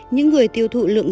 những người tiêu thụ lượng